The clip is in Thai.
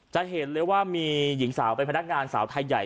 จะเห็นเลยว่ามีหญิงสาวเป็นพนักงานสาวไทยใหญ่